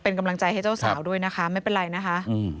เป็นกำลังใจให้เจ้าสาวด้วยนะคะไม่เป็นไรนะคะ